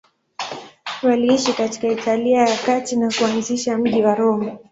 Waliishi katika Italia ya Kati na kuanzisha mji wa Roma.